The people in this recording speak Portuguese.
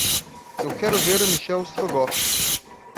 Eu quero ver o Michel Strogoff